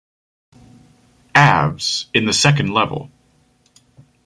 Aves in the second level.